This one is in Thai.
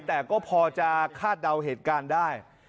แต่ก็พอจะคาดเดาเหตุการณ์ได้